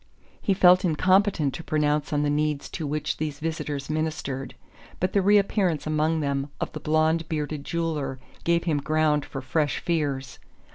He felt incompetent to pronounce on the needs to which these visitors ministered; but the reappearance among them of the blond bearded jeweller gave him ground for fresh fears.